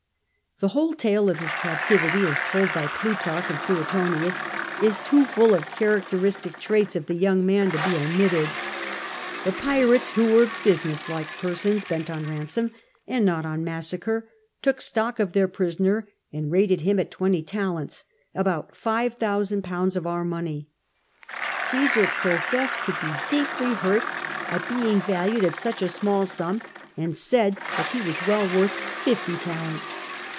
The whole tale of his captivity, as told by Plutarch and Suetonius, is too full of characteristic traits of the young man to be omitted. The pirates, who were business like persons, bent on ransom and not on massacre, took stock of their prisoner, and rated Mm at twenty talents — about £ 5000 of our money. Caesar professed to be deeply hurt at being valued at such a small sum, and said that he was well worth fifty talents.